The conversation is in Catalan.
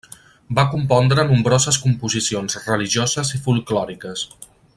Va compondre nombroses composicions religioses i folklòriques.